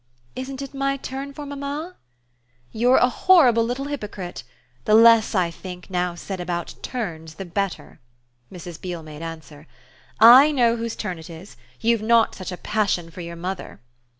"Isn't it my turn for mamma?" "You're a horrible little hypocrite! The less, I think, now said about 'turns' the better," Mrs. Beale made answer. "I know whose turn it is. You've not such a passion for your mother!"